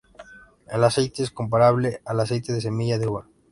El aceite es comparable al aceite de semilla de uva.